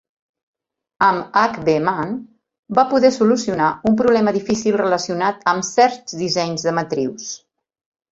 Amb H. B. Mann, va poder solucionar un problema difícil relacionat amb certs dissenys de matrius.